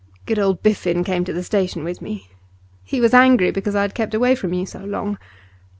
'Good old Biffen came to the station with me. He was angry because I had kept away from you so long.